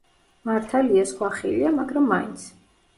მართალია, სხვა ხილია, მაგრამ მაინც.